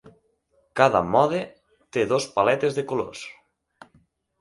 Cada mode té dos paletes de colors.